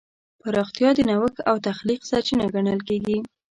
پراختیا د نوښت او تخلیق سرچینه ګڼل کېږي.